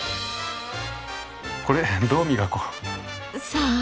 これどう磨こう？さあ。